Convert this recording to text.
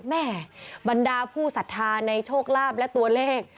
บรรดาผู้ศรัทธาในโชคลาภและตัวเลข